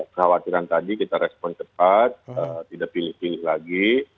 kekhawatiran tadi kita respon cepat tidak pilih pilih lagi